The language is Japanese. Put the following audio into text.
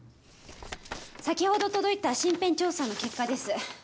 先ほど届いた身辺調査の結果です